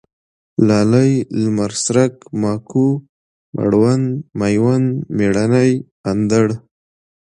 لالی ، لمرڅرک ، ماکو ، مړوند ، مېوند ، مېړنی، اندړ